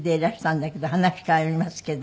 話変わりますけど。